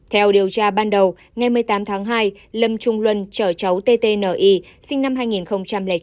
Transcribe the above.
theo điều tra ban đầu ngày một mươi tám tháng hai lâm trung luân chở cháu tti sinh năm hai nghìn chín